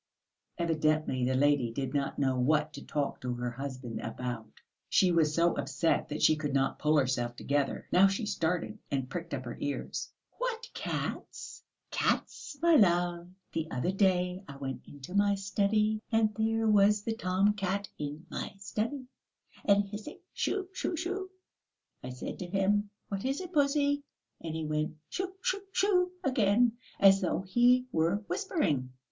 Evidently the lady did not know what to talk to her husband about. She was so upset that she could not pull herself together. Now she started and pricked up her ears. "What cats?" "Cats, my love. The other day I went into my study, and there was the tom cat in my study, and hissing shoo shoo shoo! I said to him: 'What is it, pussy?' and he went shoo shoo shoo again, as though he were whispering.